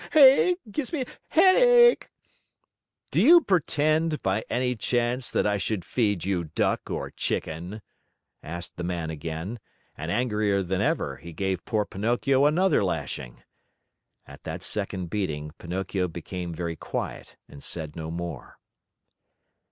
Haw! Hay gives me a headache!" "Do you pretend, by any chance, that I should feed you duck or chicken?" asked the man again, and, angrier than ever, he gave poor Pinocchio another lashing. At that second beating, Pinocchio became very quiet and said no more.